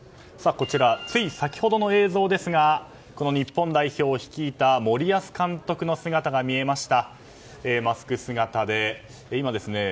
こちらつい先ほどの映像ですが日本代表を率いた森保監督の姿が見えました。